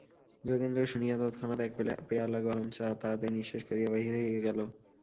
যোগেন্দ্র শুনিয়া তৎক্ষণাৎ এক পেয়ালা গরম চা তাড়াতাড়ি নিঃশেষ করিয়া বাহির হইয়া গেল।